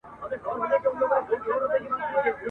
څه کورونه به ورانیږي او لوټیږي ..